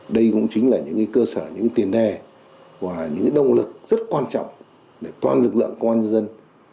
đây cũng chính là những cơ sở những tiền đề và những động lực rất quan trọng để toàn lực lượng công an nhân dân